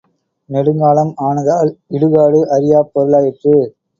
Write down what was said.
நெடுங்காலம் ஆனதால் இடுகாடு அறியாப் பொருளாயிற்று.